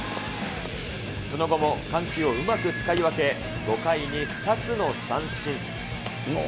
その後も緩急をうまく使い分け、５回に２つの三振。